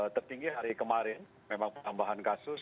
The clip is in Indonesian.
tertinggi hari kemarin memang penambahan kasus